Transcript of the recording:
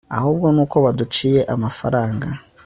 ahubwo nuko baduciye amafaranga